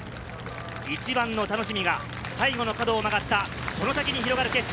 一番の楽しみが最後の角を曲がったその時に広がる景色。